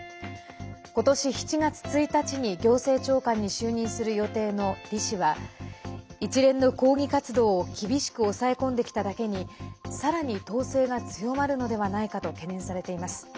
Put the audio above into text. ことし７月１日に行政長官に就任する予定の李氏は一連の抗議活動を厳しく抑え込んできただけにさらに統制が強まるのではないかと懸念されています。